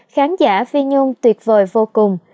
khán giả phi nhung tuyệt vời vô cùng